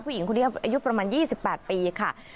ผู้หญิงคนนี้อายุประมาณ๒๘ปีค่ะ